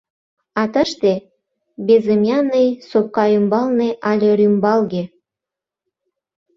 А тыште, Безымянный сопка ӱмбалне, але рӱмбалге.